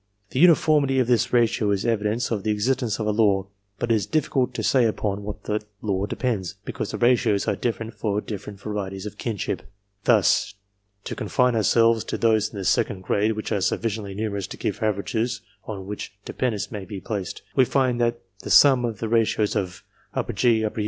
The uniformity of this ratio is evidence of the existence of a law, but it is difficult to say upon what that law depends, because the ratios are different for different varieties of kinship. Thus to confine ourselves to those in the second grade, which are sufficiently numerous to give averages on which de pendence may be placed we find that the sum of the ratios of G., U.